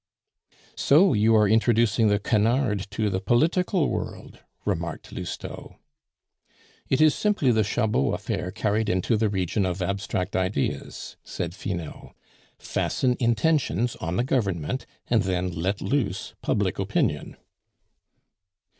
"So you are introducing the canard to the political world," remarked Lousteau. "It is simply the Chabot affair carried into the region of abstract ideas," said Finot. "Fasten intentions on the Government, and then let loose public opinion."